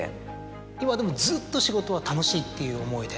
今でもずっと仕事は楽しいっていう思いで？